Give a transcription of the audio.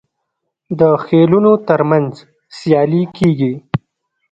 د خیلونو ترمنځ سیالي کیږي.